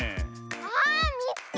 ああっみつけた！